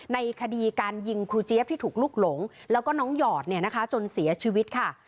ในคดีการยิงครูเจี๊ยบที่ถูกลุกหลงแล้วก็น้องหยอดเนี่ยนะคะจนเสียชีวิตค่ะ